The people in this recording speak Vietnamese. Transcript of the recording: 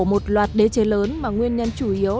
một loạt đế chế lớn mà nguyên nhân chủ yếu